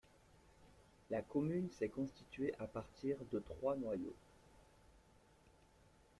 La commune s'est constituée à partir de trois noyaux.